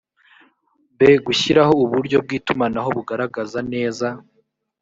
b gushyiraho uburyo bw itumanaho bugaragaza neza